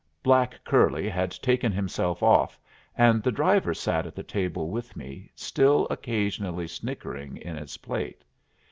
Black curly had taken himself off, and the driver sat at the table with me, still occasionally snickering in his plate.